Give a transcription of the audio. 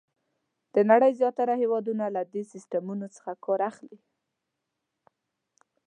د نړۍ زیاتره هېوادونه له دې سیسټمونو څخه کار اخلي.